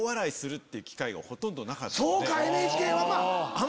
そうかＮＨＫは。